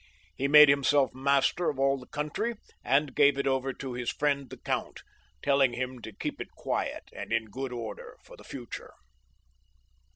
He made himseK master of all the country, and gave it over to his friend the Count, telling him to keep it quiet and in good order for the future.